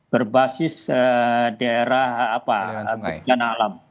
berbasis daerah apa bukaan alam